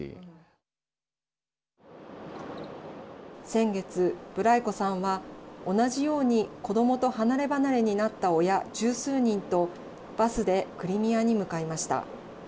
先月ブライコさんは同じように子どもと離れ離れになった親十数人とバスでクリミアに向かいました。